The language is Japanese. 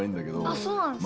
あっそうなんですね。